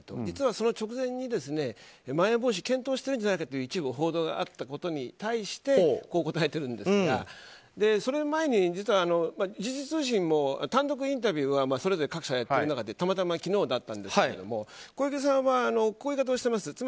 実は、その直前にまん延防止検討しているんじゃないかという一部報道があったことに対してこう答えてるんですが、その前に実は時事通信も単独インタビューは各社がやっている中でたまたま昨日だったんですが小池さんはこういう言い方をしています。